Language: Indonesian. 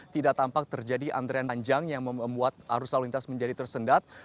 tidak tampak terjadi antrean panjang yang membuat arus lalu lintas menjadi tersendat